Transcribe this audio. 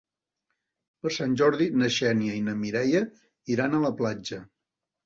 Per Sant Jordi na Xènia i na Mireia iran a la platja.